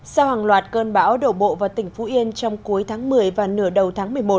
sau hàng loạt cơn bão đổ bộ vào tỉnh phú yên trong cuối tháng một mươi và nửa đầu tháng một mươi một